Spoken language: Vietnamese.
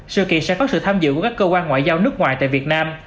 sự kiện sẽ có sự tham dự của các cơ quan ngoại giao nước ngoài tại việt nam